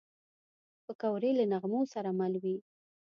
پکورې له نغمو سره مل وي